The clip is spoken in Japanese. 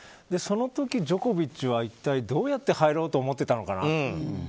その時ジョコビッチは一体どうやって入ろうと思ってたのかなと。